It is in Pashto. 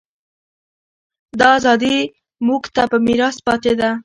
دا ازادي موږ ته په میراث پاتې ده.